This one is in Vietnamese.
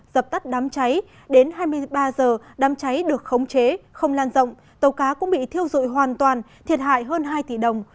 dập tắt đám cháy đến hai mươi ba h đám cháy được khống chế không lan rộng tàu cá cũng bị thiêu dụi hoàn toàn thiệt hại hơn hai tỷ đồng